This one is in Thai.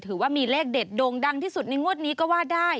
ถือว่ามีเลขเด็ดโด่งดังที่สุดในงวดนี้ก็ว่าได้